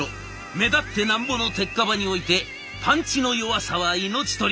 目立ってなんぼの鉄火場においてパンチの弱さは命取り。